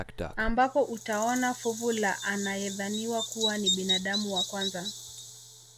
Ambapo utaona fuvu la anayedhaniwa kuwa ni binadamu wa kwanza